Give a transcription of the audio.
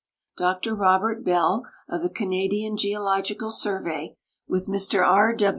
Dr Robert Bell, of the Canadian Geological Survey, with Mr R.